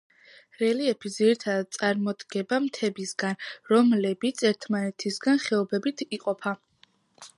რელიეფი ძირითადად წარმოდგება მთებისგან, რომლებიც ერთმანეთისაგან ხეობებით იყოფა.